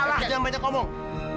alah jangan banyak ngomong